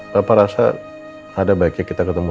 papa rasa ada baiknya kita ketemu